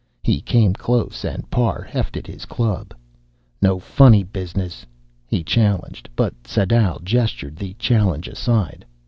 He came close, and Parr hefted his club. "No funny business," he challenged, but Sadau gestured the challenge aside.